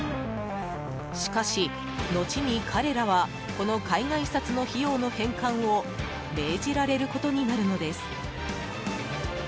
しかし、後に彼らはこの海外視察の費用の返還を命じられることになるのです。